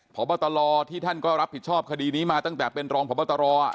พบตลที่ท่านก็รับผิดชอบคดีนี้มาตั้งแต่เป็นรองพบตร